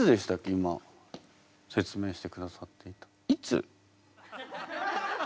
今説明してくださっていた。